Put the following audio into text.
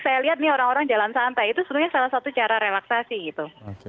saya lihat nih orang orang jalan santai itu sebenarnya salah satu cara relaksasi gitu